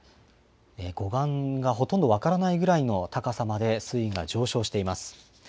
護岸がほとんど分からないぐらいの高さまで水位が上昇しています。